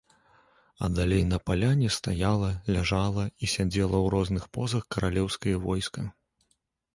А далей на паляне стаяла, ляжала і сядзела ў розных позах каралеўскае войска.